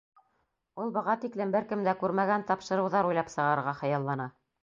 Ул быға тиклем бер кем дә күрмәгән тапшырыуҙар уйлап сығарырға хыяллана.